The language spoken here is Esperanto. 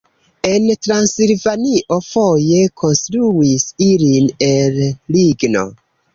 En Transilvanio foje konstruis ilin el ligno.